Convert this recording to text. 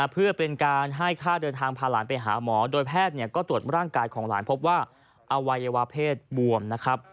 เพื่อเป็นการให้ค่าเดินทางพาหลานไปหาหมอโดยแพทย์ก็ตรวจร่างกายของหลานพบว่าอวัยวะเพศบวมนะครับ